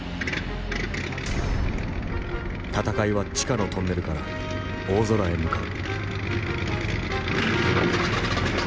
戦いは地下のトンネルから大空へ向かう。